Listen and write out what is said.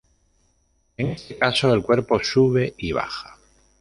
En este caso el cuerpo sube y baja.